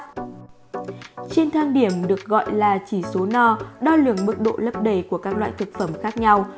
trên thang điểm được gọi là chỉ số no đo lường mức độ lấp đầy của các loại thực phẩm khác nhau